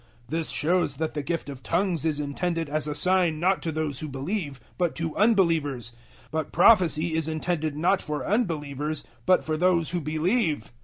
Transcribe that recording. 014:022 This shows that the gift of tongues is intended as a sign not to those who believe but to unbelievers, but prophecy is intended not for unbelievers but for those who believe.